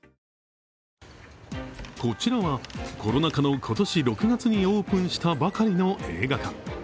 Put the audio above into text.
こちらはコロナ禍の今年６月にオープンしたばかりの映画館。